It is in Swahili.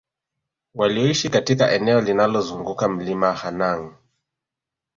walioishi katika eneo linalozunguka Mlima Hanang